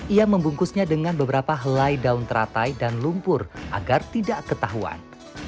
ia membungkusnya dengan beberapa helai daun teratai dan lumpur agar tidak ketahuan